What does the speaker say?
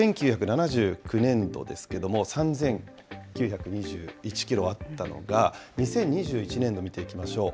１９７９年度ですけども、３９２１キロあったのが、２０２１年度見ていきましょう。